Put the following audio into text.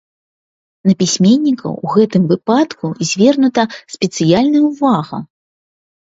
На пісьменнікаў у гэтым выпадку звернута спецыяльная ўвага.